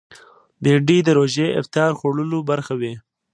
بېنډۍ د روژې افطار خوړلو برخه وي